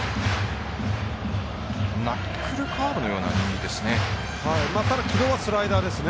ナックルカーブのような感じですかね。